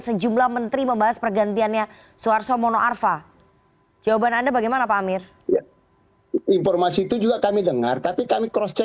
sejumlah menteri membahas pergantiannya suharto monoarfa jawaban anda bagaimana pak amir informasi